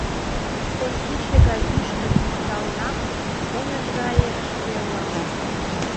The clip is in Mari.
Кож кичке гай ӱштым ӱшталынам, эҥыж гае ышке улам.